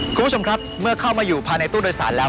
คุณผู้ชมครับเมื่อเข้ามาอยู่ภายในตู้โดยสารแล้ว